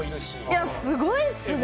いやすごいっすね。